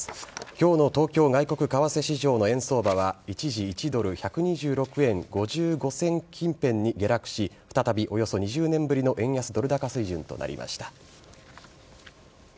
今日の東京外国為替市場の円相場は一時、１ドル１２６円５５銭近辺に下落し再び、およそ２０年ぶりの円安ドル高水準となりました。